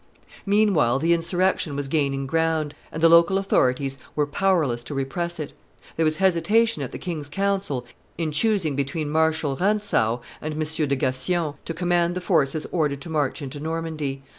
Meanwhile the insurrection was gaining ground, and the local authorities were powerless to repress it. There was hesitation at the king's council in choosing between Marshal Rantzau and M. de Gassion to command the forces ordered to march into Normandy.